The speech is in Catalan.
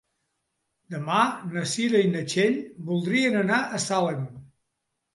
Demà na Cira i na Txell voldrien anar a Salem.